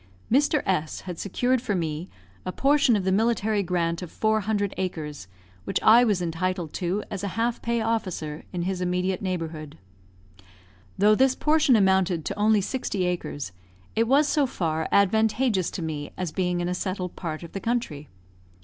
Mr. S had secured for me a portion of the military grant of four hundred acres, which I was entitled to as a half pay officer, in his immediate neighbourhood. Though this portion amounted to only sixty acres, it was so far advantageous to me as being in a settled part of the country.